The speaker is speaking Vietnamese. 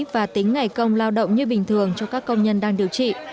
và tính ngày công lao động như bình thường cho các công nhân đang điều trị